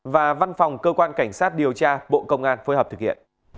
và văn phòng cơ quan cảnh sát điều tra bộ công an phối hợp thực hiện